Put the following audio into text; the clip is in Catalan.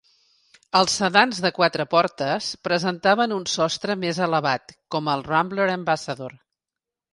Els sedans de quatre portes presentaven un sostre més elevada, com el Rambler Ambassador.